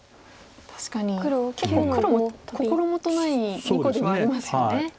確かに結構黒も心もとない２個でもありますよね。